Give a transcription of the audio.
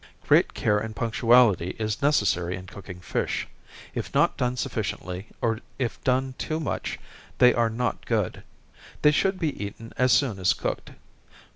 Great care and punctuality is necessary in cooking fish. If not done sufficiently, or if done too much, they are not good. They should be eaten as soon as cooked.